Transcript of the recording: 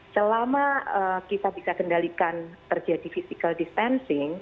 selama kita bisa kendalikan terjadi physical distancing